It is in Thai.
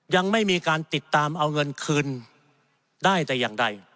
ยังไม่มีการติดตามเอาเงินคืนได้แต่อย่างใด